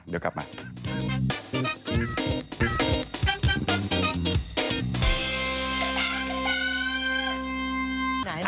เดี๋ยวกลับมา